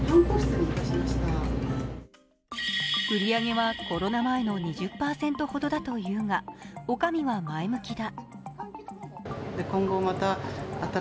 売り上げはコロナ前の２０％ほどだというが、女将は前向きだ。